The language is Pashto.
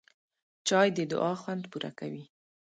چای د دعا خوند پوره کوي